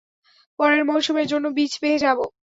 পরের মৌসুমের জন্যও বীজ পেয়ে যাবো?